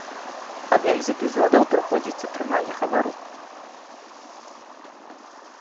Адным з эпізодаў праходзіць атрыманне хабару.